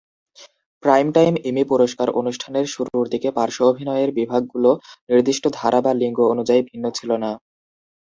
Primetime Emmy পুরস্কার অনুষ্ঠানের শুরুর দিকে পার্শ্ব অভিনয়ের বিভাগগুলো নির্দিষ্ট ধারা বা লিঙ্গ অনুযায়ী ভিন্ন ছিল না।